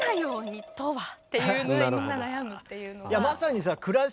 っていうのでみんな悩むっていうのは。